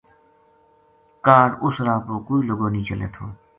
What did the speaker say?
کاہڈ اُس راہ پو کوئی لُگو نیہہ چلے تھو